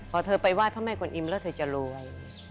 พอเธอไปไหว้พระแม่กวนอิมแล้วเธอจะรวย